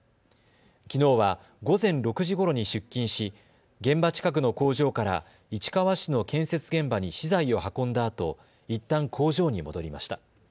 きのうは午前６時ごろに出勤し、現場近くの工場から市川市の建設現場に資材を運んだあといったん工場に戻りました。